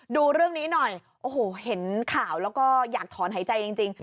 ดูเรื่องนี้หน่อยโอ้โหเห็นข่าวแล้วก็อยากถอนหายใจจริง